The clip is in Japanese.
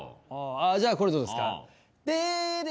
じゃあこれどうですか？